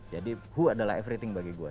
jadi who adalah everything bagi gue